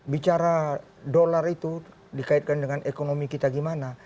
bicara dolar itu dikaitkan dengan ekonomi kita gimana